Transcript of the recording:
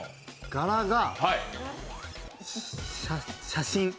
柄が写真。